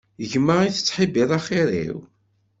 Gma i tettḥibbiḍ axir-iw?